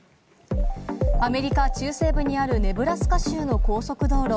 アメリカ中西部にあるネブラスカ州の高速道路。